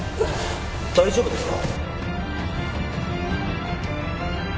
大丈夫ですか？